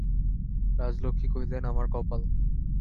রাজলক্ষ্মী কহিলেন, আমার কপাল!